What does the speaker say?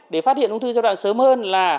để phát hiện ung thư giai đoạn sớm hơn là